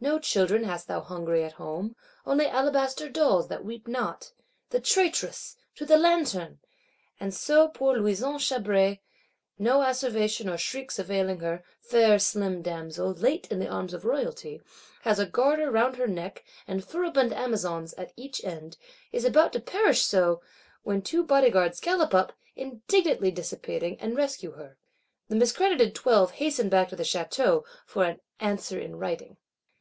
No children hast thou hungry at home; only alabaster dolls, that weep not! The traitress! To the Lanterne!—And so poor Louison Chabray, no asseveration or shrieks availing her, fair slim damsel, late in the arms of Royalty, has a garter round her neck, and furibund Amazons at each end; is about to perish so,—when two Bodyguards gallop up, indignantly dissipating; and rescue her. The miscredited Twelve hasten back to the Château, for an "answer in writing."